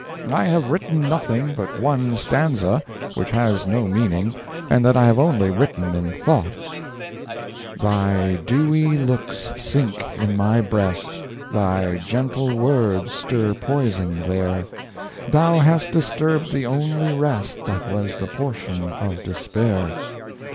"I have written nothing but one stanza, which has no meaning, and that I have only written in thought: "Thy dewy looks sink in my breast; Thy gentle words stir poison there; Thou hast disturbed the only rest That was the portion of despair.